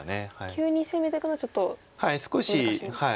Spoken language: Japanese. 急に攻めていくのはちょっと難しいですか。